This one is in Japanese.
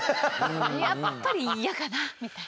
やっぱりイヤかなみたいな。